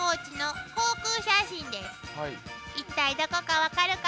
一体どこか分かるかな？